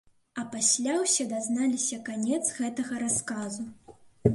А пасля ўсе дазналіся канец гэтага расказу.